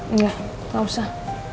enggak gak usah